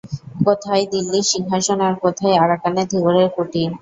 কোথায় দিল্লির সিংহাসন আর কোথায় আরাকানের ধীবরের কুটির।